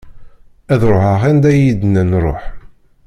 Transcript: Ad ruḥeɣ anda i yi-d-nnan ruḥ.